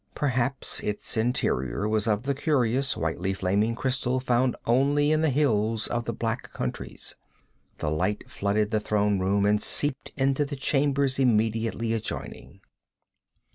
Perhaps its interior was of the curious whitely flaming crystal found only in the hills of the black countries. The light flooded the throne room and seeped into the chambers immediately adjoining.